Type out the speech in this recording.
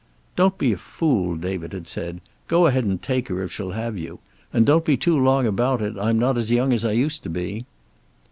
"Don't be a fool," David had said. "Go ahead and take her, if she'll have you. And don't be too long about it. I'm not as young as I used to be."